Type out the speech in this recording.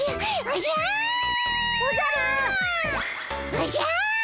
おじゃ！